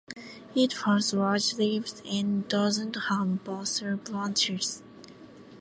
It has large leaves and doesn’t have basal branches.